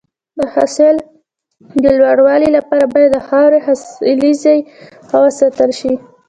د حاصل د لوړوالي لپاره باید د خاورې حاصلخیزي ښه وساتل شي.